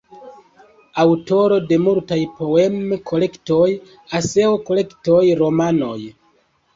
Aŭtoro de multaj poem-kolektoj, eseo-kolektoj, romanoj.